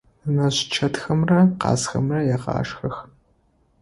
Нэнэжъ чэтхэмрэ къазхэмрэ егъашхэх.